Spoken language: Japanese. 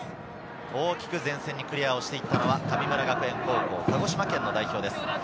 大きく前線にクリアして行ったのは神村学園高校、鹿児島県代表です。